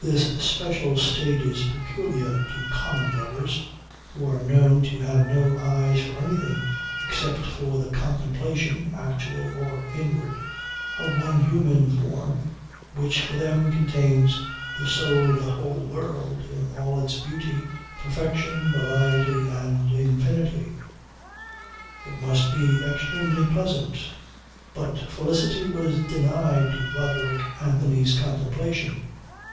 This special state is peculiar to common lovers, who are known to have no eyes for anything except for the contemplation, actual or inward, of one human form which for them contains the soul of the whole world in all its beauty, perfection, variety and infinity. It must be extremely pleasant. But felicity was denied to Roderick Anthony's contemplation.